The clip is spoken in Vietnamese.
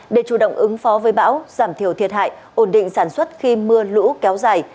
để chủ động ứng phó với bão giảm thiểu thiệt hại ổn định sản xuất khi mưa lũ kéo dài